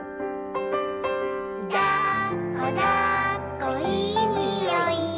「だっこだっこいいにおい」